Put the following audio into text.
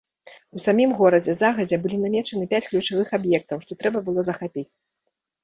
У самім горадзе загадзя былі намечаны пяць ключавых аб'ектаў, што трэба было захапіць.